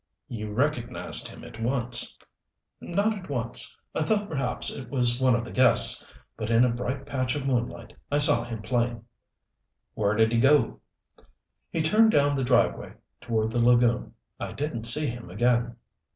"You recognized him at once?" "Not at once. I thought perhaps it was one of the guests. But in a bright patch of moonlight I saw him plain." "Where did he go?" "He turned down the driveway toward the lagoon. I didn't see him again."